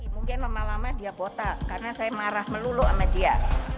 mungkin lama lama dia botak karena saya marah melulu sama dia